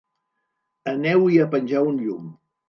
Aneu-hi a penjar un llum.